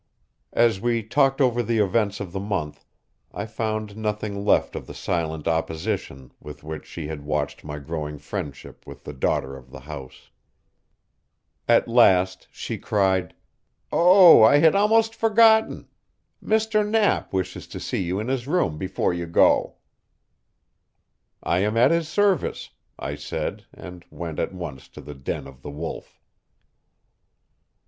As we talked over the events of the month, I found nothing left of the silent opposition with which she had watched my growing friendship with the daughter of the house. At last she cried: "Oh, I had almost forgotten. Mr. Knapp wishes to see you in his room before you go." "I am at his service," I said, and went at once to the den of the Wolf.